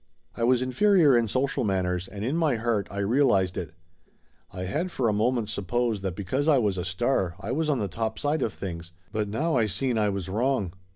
I was inferior in social manners, and in my heart I realized it. I had for a moment supposed that be cause I was a star I was on the topside of things, but now I seen I was wrong.